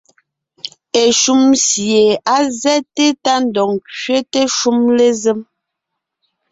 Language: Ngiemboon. Eshúm sie á zɛ́te tá ńdɔg ńkẅéte shúm lézém.